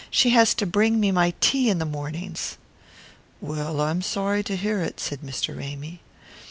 She has to bring me my tea in the mornings." "Well, I'm sorry to hear it," said Mr. Ramy.